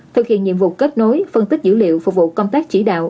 thực hiện nhiệm vụ kết nối phân tích dữ liệu phục vụ công tác chỉ đạo